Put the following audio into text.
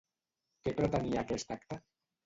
Què pretenia aquest acte?